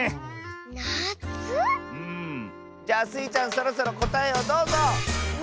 じゃあスイちゃんそろそろこたえをどうぞ！